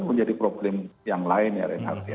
menjadi problem yang lain ya ren ardia